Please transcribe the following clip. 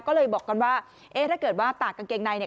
ก็เลยบอกกันว่าเอ๊ะถ้าเกิดว่าตากกางเกงในเนี่ย